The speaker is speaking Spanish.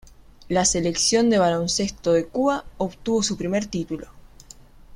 La selección de baloncesto de Cuba obtuvo su primer título.